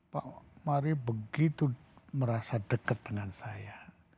pak mari begitu merasa dekat dengan saya